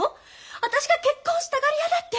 私が結婚したがり屋だって。